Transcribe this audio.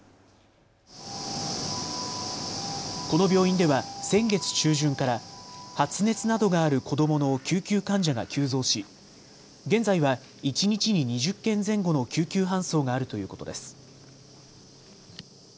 この病院では先月中旬から発熱などがある子どもの救急患者が急増し、現在は一日に２０件前後の救急搬送があるということです。